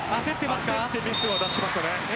焦ってミスを出しました。